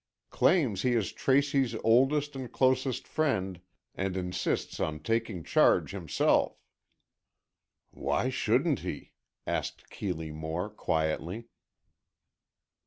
Claims he is Tracy's oldest and closest friend, and insists on taking charge himself." "Why shouldn't he?" asked Keeley Moore, quietly.